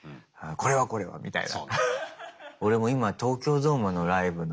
「これはこれは」みたいな。